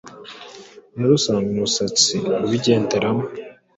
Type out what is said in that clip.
rero usanga umusatsi ubigenderamo